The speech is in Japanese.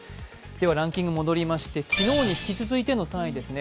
ランキング戻りまして、昨日に引き続いての３位ですね。